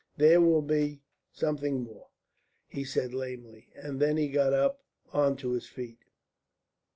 "There will be something more," he said lamely, and then he got up on to his feet.